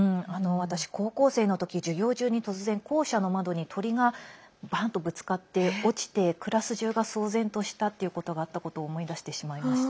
私、高校生の時、授業中に突然校舎の窓に鳥がバーンとぶつかって落ちてクラス中が騒然としたっていうことがあったことを思い出してしまいました。